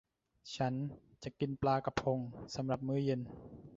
ฉันจะกินปลากระพงสำหรับมื้อเย็น